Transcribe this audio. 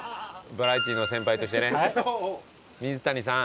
バラエティの先輩としてね水谷さん。